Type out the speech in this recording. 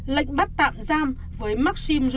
lệnh bắt tạm giam